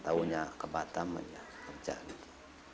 taunya ke batam aja kerja gitu